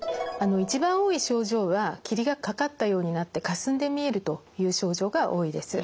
一番多い症状は霧がかかったようになってかすんで見えるという症状が多いです。